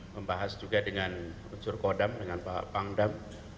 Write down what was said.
membahas juga dengan unsur kodam dengan pak pangdam